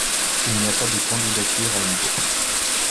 Il n'y a pas de candidature à une bourse.